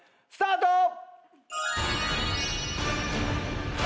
スタート！